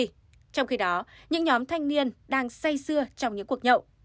trong khi đó những nhóm thanh niên đang say sưa trong những cuộc nhậu